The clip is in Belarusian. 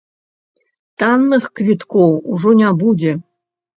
Танных квіткоў ужо не будзе.